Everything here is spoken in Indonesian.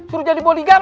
suruh jadi body care